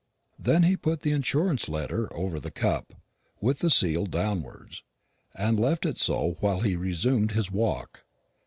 Then he put the insurance letter over the cup, with the seal downwards, and left it so while he resumed his walk.